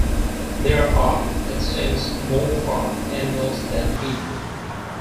There are, it seems, more farm animals than people.